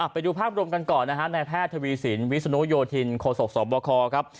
ไปดูภาพรวมกันก่อนนะฮะในแพทย์ทวีสินวิศนุโยธินโคศกสบคครับ